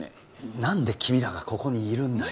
何で君らがここにいるんだよ